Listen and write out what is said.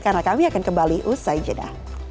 karena kami akan kembali usai jeda